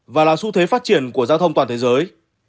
và là xu thế phát triển của giao thông toàn thế giới